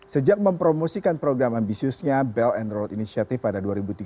sejak mempromosikan program ambisiusnya belt and road initiative pada dua ribu tiga belas